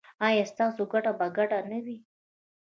ایا ستاسو ګټه به ګډه نه وي؟